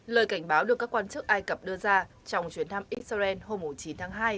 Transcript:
lời cảnh báo được các quan chức ai cập đưa ra trong chuyến thăm israel hôm chín tháng hai